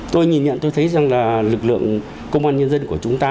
tôi nhìn nhận tôi thấy rằng là lực lượng công an nhân dân của chúng ta